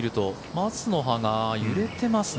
松の葉が揺れてますね。